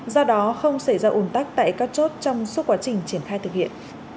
do đó không xảy ra ủn tắc tại các chốt trong suốt quá trình triển khai thực hiện